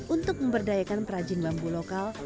untuk memberdayakan perajin bambu lokal